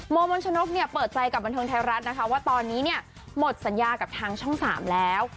โมมนชนกเปิดใจกับบันทึงไทยรัฐว่าตอนนี้หมดสัญญากับทั้งช่องสามแล้ว